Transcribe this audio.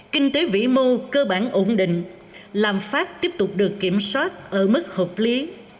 kinh tế vĩ mô cơ bản ổn định lạm phát tiếp tục được kiểm soát ở mức hợp lý